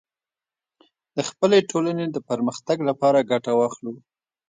د خپلې ټولنې د پرمختګ لپاره ګټه واخلو